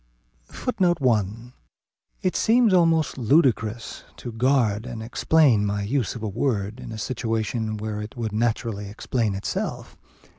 [Footnote 1: It seems almost ludicrous to guard and explain my use of a word in a situation where it would naturally explain itself.